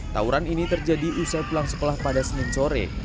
tawuran ini terjadi usai pulang sekolah pada senin sore